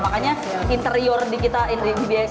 makanya interior di kita di bx ini kita bisa lihat lihat